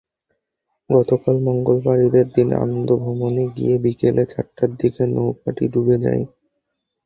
গতকাল মঙ্গলবার ঈদের দিনে আনন্দভ্রমণে গিয়ে বিকেল চারটার দিকে নৌকাটি ডুবে যায়।